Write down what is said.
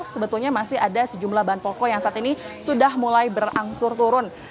sebetulnya masih ada sejumlah bahan pokok yang saat ini sudah mulai berangsur turun